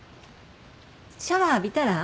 シャワー浴びたら？